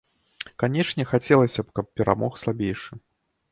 Канечне, хацелася б, каб перамог слабейшы.